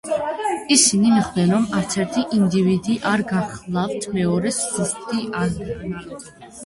ისინი მიხვდნენ, რომ არცერთი ინდივიდი არ გახლავთ მეორეს ზუსტი ანალოგი.